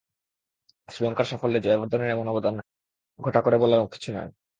শ্রীলঙ্কার সাফল্যে জয়াবর্ধনের অবদান এমনিতে ঘটা করে বলার মতো কিছু নয়।